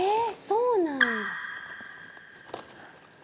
そうなんだ」